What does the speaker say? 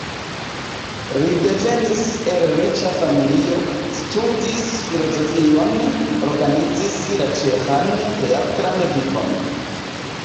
Li devenis el riĉa familio, studis filozofion, organizis la ĉeĥan teatran vivon.